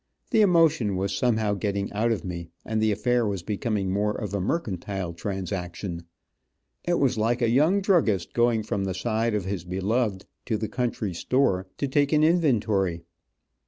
The emotion was somehow getting out of me, and the affair was becoming more of a mercantile transaction. It was like a young druggist going from the side of his beloved, to the drug store, to take an inventory.